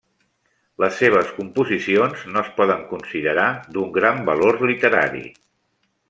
Les seves composicions no es poden considerar d'un gran valor literari.